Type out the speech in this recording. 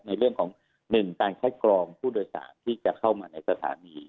ในเรื่องของ๑การคัดกรองผู้โดยสารที่จะเข้ามาในสถานี